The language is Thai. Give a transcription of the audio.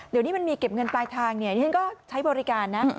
เดี๋ยวนี้มันมีเก็บเงินปลายทางเนี่ยดิฉันก็ใช้บริการนะ